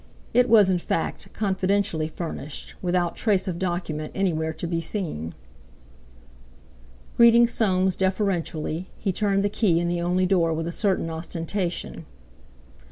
It was, in fact, confidentially furnished, without trace of document anywhere to be seen. Greeting Soames deferentially, he turned the key in the only door with a certain ostentation.